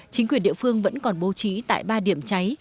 chính quyền địa phương vẫn còn bố trí tại ba điểm cháy